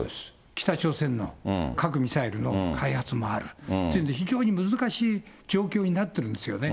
北朝鮮の核・ミサイルの開発もあるっていうんで、非常に難しい状況になっているんですよね。